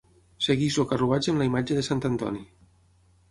Segueix el carruatge amb la imatge de Sant Antoni.